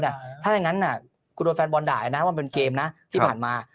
ถ้าอย่างนั้นคุณโดนแฟนบอลด่ายนะว่ามันเป็นเกมนะที่ผ่านมา